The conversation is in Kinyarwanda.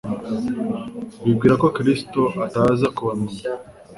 bibwira ko Kristo ataza kubamenya.